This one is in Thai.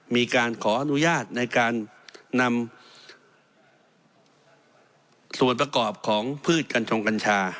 มีการขออนุญาตในการนำส่วนประกอบของพืชกัญชงกัญชา